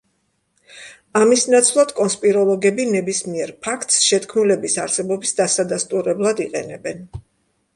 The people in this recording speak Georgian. ამის ნაცვლად კონსპიროლოგები ნებისმიერ ფაქტს შეთქმულების არსებობის დასადასტურებლად იყენებენ.